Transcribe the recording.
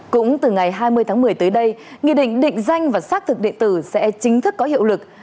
cũng từ ngày hai mươi tháng một mươi tới đây nghị định định danh và sát thục định tử sẽ chính thức có hiệu lực